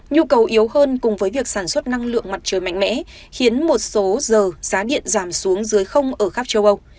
nhu cầu yếu hơn cùng với việc sản xuất năng lượng mặt trời mạnh mẽ khiến một số giờ giá điện giảm xuống dưới ở khắp châu âu